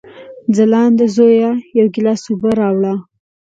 ځلانده زویه، یو ګیلاس اوبه راوړه!